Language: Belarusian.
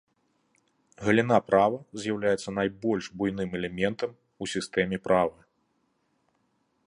Галіна права з'яўляецца найбольш буйным элементам у сістэме права.